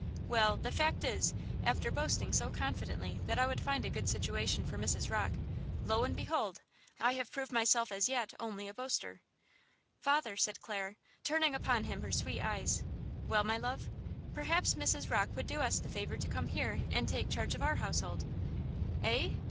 "Well, the fact is, after boasting so confidently that I would find a good situation for Mrs. Rocke, lo and behold! I have proved myself as yet only a boaster." "Father," said Clara, turning upon him her sweet eyes. "Well, my love?" "Perhaps Mrs. Rocke would do us the favor to come here and take charge of our household." "Eh!